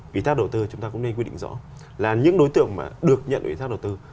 ủy thác đầu tư chúng ta cũng nên quy định rõ là những đối tượng mà được nhận ủy thác đầu tư